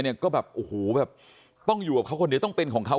เนี่ยก็แบบโอ้โหแบบต้องอยู่กับเขาคนเดียวต้องเป็นของเขา